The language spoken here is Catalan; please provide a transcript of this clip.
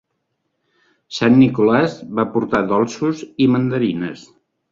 St. Nicholas va portar dolços i mandarines.